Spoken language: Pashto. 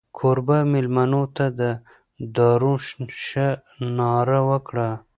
کوربه مېلمنو ته د دارو شه ناره وکړه.